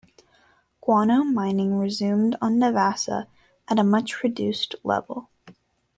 Guano mining resumed on Navassa at a much reduced level.